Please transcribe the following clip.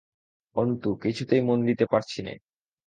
অন্তু, কিছুতেই মন দিতে পারছি নে।